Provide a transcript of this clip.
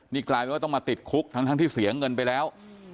นี่กลายเป็นว่าต้องมาติดคุกทั้งที่เสียเงินไปแล้ว